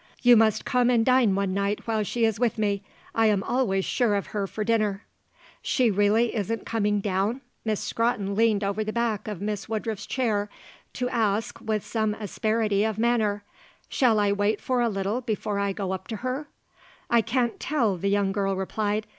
"You must come and dine one night while she is with me. I am always sure of her for dinner." "She really isn't coming down?" Miss Scrotton leaned over the back of Miss Woodruff's chair to ask with some asperity of manner. "Shall I wait for a little before I go up to her?" "I can't tell," the young girl replied.